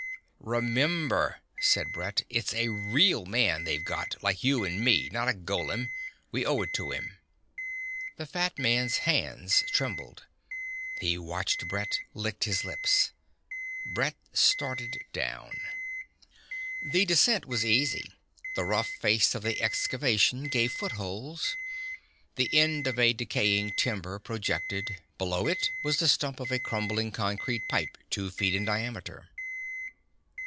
"Remember," said Brett. "It's a real man they've got, like you and me ... not a golem. We owe it to him." The fat man's hands trembled. He watched Brett, licked his lips. Brett started down. The descent was easy. The rough face of the excavation gave footholds. The end of a decaying timber projected; below it was the stump of a crumbling concrete pipe two feet in diameter.